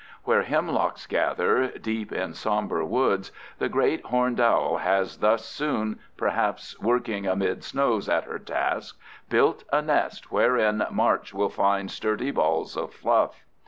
Where hemlocks gather, deep in somber woods, the great horned owl has thus soon, perhaps working amid snows at her task, built a nest wherein March will find sturdy balls of fluff.